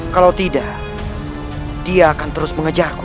kalau tidak dia akan terus mengejarku